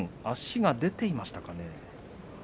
足が出ていましたかね。